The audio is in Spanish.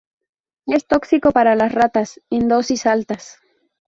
Es tóxico para las ratas en dosis altas.